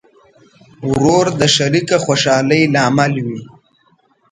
ورور د شریکه خوشحالۍ لامل وي.